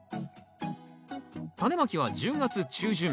タネまきは１０月中旬。